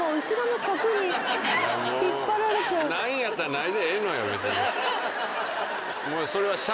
ないんやったらないでええのよ別に。